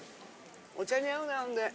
お茶に合うなほんで。